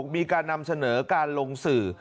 มีการนำเสนอการลงสื่อ